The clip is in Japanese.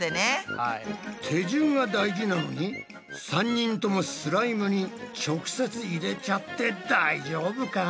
手順が大事なのに３人ともスライムに直接入れちゃって大丈夫か？